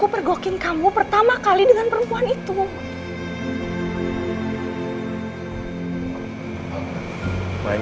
junggokin mama karena sekarang